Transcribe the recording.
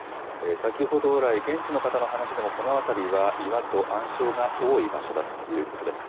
先ほどらい、現地の方の話でも、この辺りは岩と暗礁が多い場所だということです。